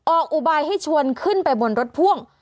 อุบายให้ชวนขึ้นไปบนรถพ่วง